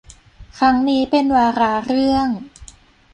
ครั้งนี้เป็นวาระเรื่อง